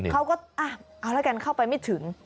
เขาก็เอาแล้วกันเข้าไปไม่ถึง